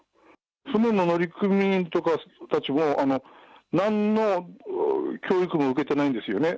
船の乗組員とかたちも、なんの教育も受けてないんですよね。